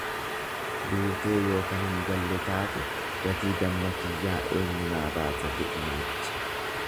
Duutee yoo kan hin galle taate gatii damma kiyyaa eenyu naa baasa jedhe namichi.